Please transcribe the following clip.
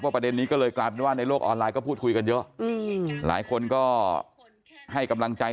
ประเด็นนี้ก็เลยกลายเป็นว่าในโลกออนไลน์ก็พูดคุยกันเยอะหลายคนก็ให้กำลังใจ